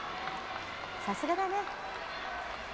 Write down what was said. さすがだね。